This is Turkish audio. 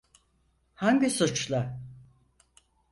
Hangi suçla?